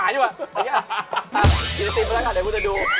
อันนี้อ่ะกินอาหารสือพิมพ์ก็ได้ค่ะเดี๋ยวพี่จะดู